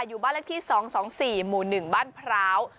อยู่บ้านเลขที่สองสองสี่หมู่หนึ่งบ้านพร้าว